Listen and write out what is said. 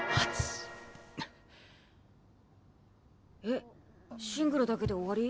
えっシングルだけで終わり？